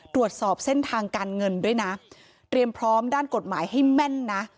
ตรวจสอบเส้นทางการเงินด้วยนะเตรียมพร้อมด้านกฎหมายให้แม่นนะ